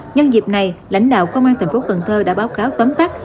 nhân dịp này lãnh đạo công an tp cn đã báo cáo tấm tắt